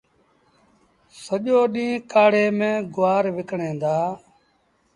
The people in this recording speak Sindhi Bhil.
سڄو ڏيݩهݩ ڪآڙي ميݩ گُوآر وڪڻيٚن دآ